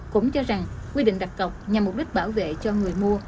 cũng cho rằng quy định đặt cọc nhằm mục đích bảo vệ cho người mua